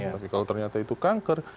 tapi kalau ternyata itu kanker